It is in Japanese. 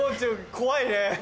怖いね。